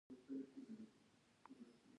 د کور دېوالونه د غربت له امله په لوېدو وو